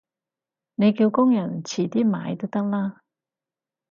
你叫工人遲啲買都得啦